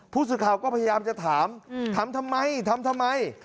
ผู้สื่อข่าวก็พยายามจะถามถามทำไมทำทำไม